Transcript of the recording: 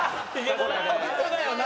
本当だよな。